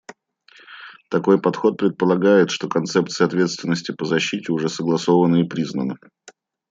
Такой подход предполагает, что концепция «ответственности по защите» уже согласована и признана.